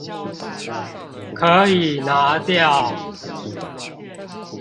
可以拿掉